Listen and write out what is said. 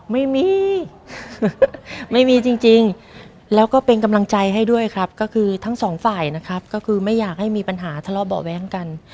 ไม่มีไม่มีจริงแล้วก็เป็นกำลังใจให้ด้วยครับก็คือทั้งสองฝ่ายนะครับก็คือไม่อยากให้มีปัญหาทะเลาะเบาะแว้งกัน